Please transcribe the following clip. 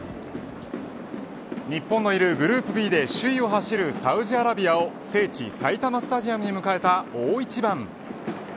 日本のいるグループＢで首位を走るサウジアラビアを聖地、埼玉スタジアムに迎えた大一番。